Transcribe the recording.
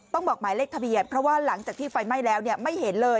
บอกหมายเลขทะเบียนเพราะว่าหลังจากที่ไฟไหม้แล้วไม่เห็นเลย